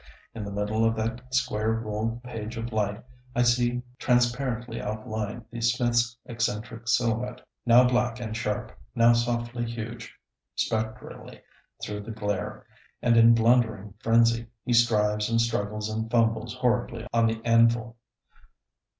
In the middle of that square ruled page of light I see transparently outlined the smith's eccentric silhouette, now black and sharp, now softly huge. Spectrally through the glare, and in blundering frenzy, he strives and struggles and fumbles horribly on the anvil.